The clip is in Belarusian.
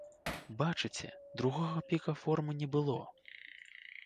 Бачыце, другога піку формы не было.